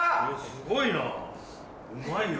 すごいなうまいよ。